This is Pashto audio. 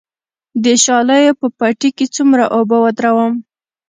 د شالیو په پټي کې څومره اوبه ودروم؟